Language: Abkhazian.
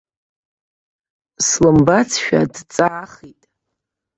Слымбацшәа, дҵаахит.